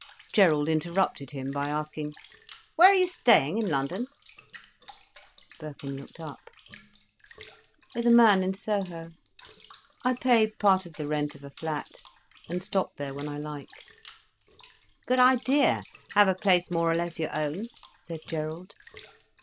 Gerald interrupted him by asking, "Where are you staying in London?" Birkin looked up. "With a man in Soho. I pay part of the rent of a flat, and stop there when I like." "Good idea—have a place more or less your own," said Gerald.